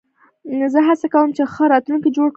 زه هڅه کوم، چي ښه راتلونکی جوړ کړم.